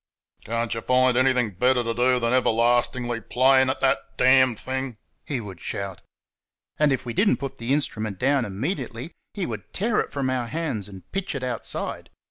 "Can't y' find anything better t' do than everlastingly playing at that damn thing?" he would shout. And if we did n't put the instrument down immediately he would tear it from our hands and pitch it outside.